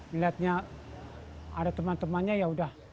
dilihatnya ada teman temannya ya sudah